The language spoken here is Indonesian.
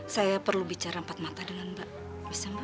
saya perlu bicara empat mata dengan mbak bisa mbak